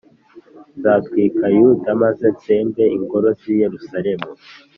nzatwika Yuda, maze ntsembe ingoro z’i Yeruzalemu.